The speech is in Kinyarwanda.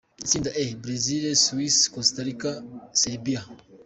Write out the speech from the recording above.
Itsinda E: Brazil, Suisse, Costa Rica, Serbie.